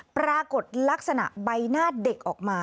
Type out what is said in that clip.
ปรากฏลักษณะใบหน้าเด็กออกมา